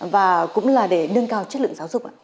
và cũng là để nâng cao chất lượng giáo dục ạ